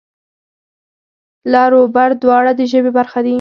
لر و بر دواړه د ژبې برخه دي.